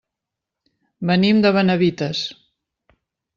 Venim de Benavites.